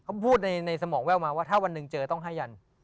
เขาพูดในสมองแววมาว่าถ้าวันหนึ่งเจอต้องให้ยัน